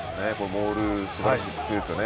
モール、すばらしく強いですよね。